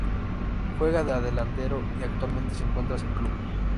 Juega de delantero y actualmente se encuentra sin club.